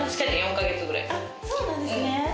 あっそうなんですね。